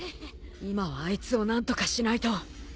今はあいつを何とかしないと。